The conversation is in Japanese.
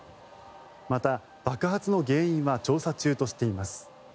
また、爆発の原因は調査中としています。